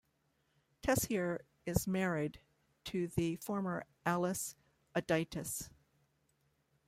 Tessier is married to the former Alice Audietis.